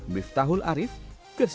bif tahul arif gresik